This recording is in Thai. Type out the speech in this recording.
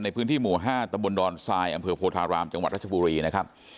ในพื้นที่หมู่๕ตะบนดอนทรายอำเภอโพธารามจังหวัดรัชบุรีนะครับ